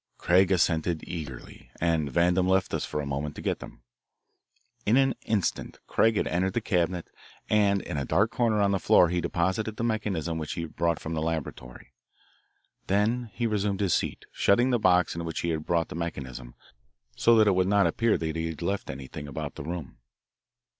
Craig assented eagerly, and Vandam left us for a moment to get them. In an instant Craig had entered the cabinet, and in a dark corner on the floor he deposited the mechanism he had brought from the laboratory. Then he resumed his seat, shutting the box in which he had brought the mechanism, so that it would not appear that he had left anything about the room.